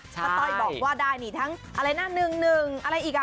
ป้าต้อยบอกว่าได้ทั้ง๑๑อะไรอีกอ่ะ๑๕๑๙